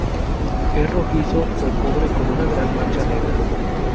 Es rojizo o cobre con una gran mancha negra.